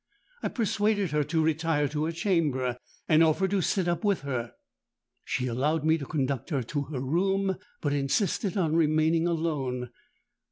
I persuaded her to retire to her chamber, and offered to sit up with her. She allowed me to conduct her to her room, but insisted on remaining alone.